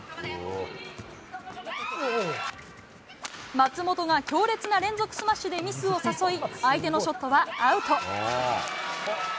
松本が強烈な連続スマッシュでミスを誘い、相手のショットはアウト。